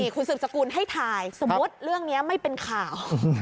คุณสืบสกุลให้ถ่ายสมมุติเรื่องนี้ไม่เป็นข่าว